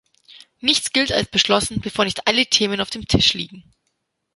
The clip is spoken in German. Nichts gilt als beschlossen, bevor nicht alle Themen auf dem Tisch liegen.